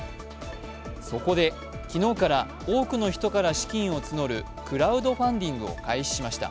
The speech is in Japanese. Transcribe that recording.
そこで、昨日から多くの人から資金を募るクラウドファンディングを開始しました。